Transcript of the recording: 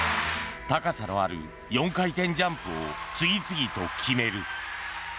高さのある４回転ジャンプを次々と決める。